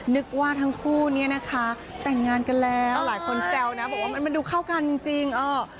นึกว่าทั้งคู่เนี่ยนะคะแต่งงานกันแล้วหลายคนแซวนะบอกว่ามันมันดูเข้ากันจริงจริงเออ